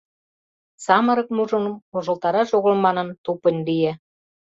Самырык мужырым вожылтараш огыл манын, тупынь лие.